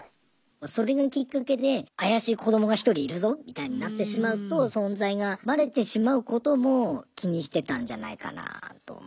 それがきっかけで怪しい子どもが１人いるぞみたいになってしまうと存在がバレてしまうことも気にしてたんじゃないかなと思います。